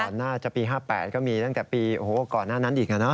น่าจะปี๕๘ก็มีตั้งแต่ปีก่อนหน้านั้นอีก